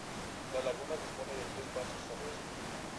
La laguna dispone de tres pasos al oeste.